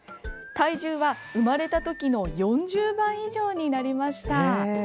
体重は、生まれたときの４０倍以上になりました。